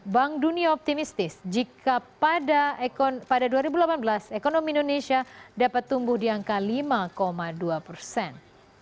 bank dunia optimistis jika pada dua ribu delapan belas ekonomi indonesia dapat tumbuh di angka lima dua persen